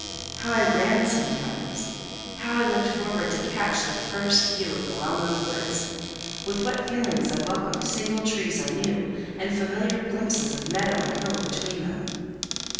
How I ran sometimes! How I looked forward to catch the first view of the well known woods! With what feelings I welcomed single trees I knew, and familiar glimpses of meadow and hill between them!